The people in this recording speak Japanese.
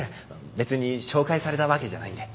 別に紹介されたわけじゃないんで。